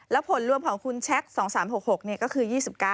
แล้วผลรวมของคุณแชค๒๓๖๖ก็คือ๒๙